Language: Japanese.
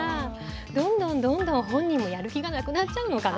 どんどんどんどん本人もやる気がなくなっちゃうのかなって思いました。